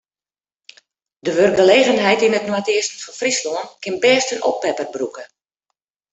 De wurkgelegenheid yn it noardeasten fan Fryslân kin bêst in oppepper brûke.